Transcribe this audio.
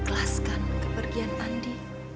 ikhlaskan kepergian andi